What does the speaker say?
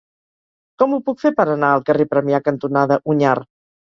Com ho puc fer per anar al carrer Premià cantonada Onyar?